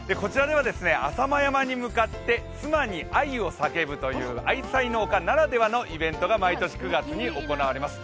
浅間山に向かって妻に愛を叫ぶという、愛妻の丘ならではのイベントが毎年９月に行われています。